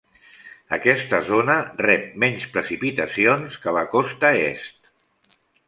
Aquesta zona rep menys precipitacions que la costa est.